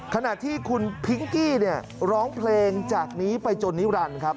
ขณะที่คุณพิงกี้เนี่ยร้องเพลงจากนี้ไปจนนิรันดิ์ครับ